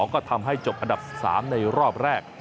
ก็ทำให้จบอันดับ๓ในรอบแรก